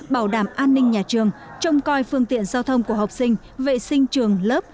bảo đảm an ninh nhà trường trông coi phương tiện giao thông của học sinh vệ sinh trường lớp